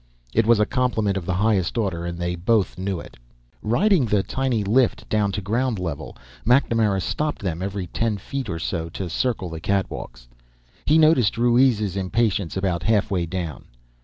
It was a compliment of the highest order, and they both knew it. Riding the tiny lift down to ground level, MacNamara stopped them every ten feet or so to circle the catwalks. He noticed Ruiz's impatience about halfway down.